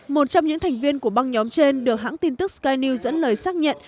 một trong những thành viên của băng nhóm trên được hãng tin tức skyn news dẫn lời xác nhận